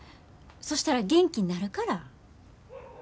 そしたら元気になるから。